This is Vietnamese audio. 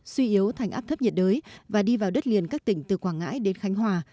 suy yếu thành áp thấp nhiệt đới và đi vào đất liền các tỉnh từ quảng ngãi đến khánh hòa